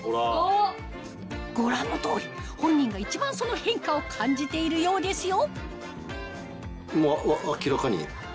ご覧の通り本人が一番その変化を感じているようですよ